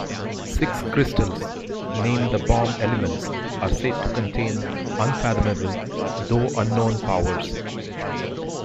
Six crystals, named the "Bomb Elements," are said to contain unfathomable, though unknown, powers.